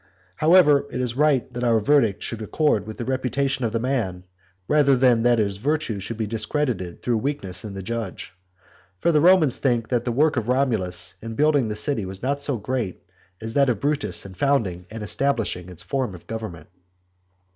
However, it is right that our verdict should accord with the reputation of the man, rather than that his virtue should be dis credited through weakness in the judge. For the Romans think that the work of Romulus in building the city was not so great as that of Brutus in founding and establishing its form of government.